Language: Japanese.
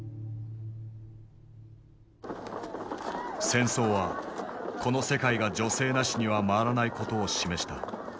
戦争はこの世界が女性なしには回らないことを示した。